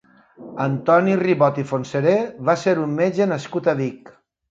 Antoni Ribot i Fontseré va ser un metge nascut a Vic.